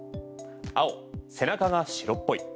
青、背中が白っぽい。